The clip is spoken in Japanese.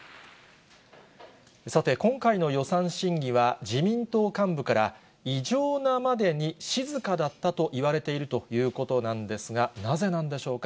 さて、今回の予算審議は、自民党幹部から、異常なまでに静かだったといわれているということなんですが、なぜなんでしょうか。